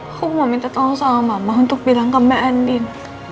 aku mau minta tolong sama mama untuk bilang ke mbak andin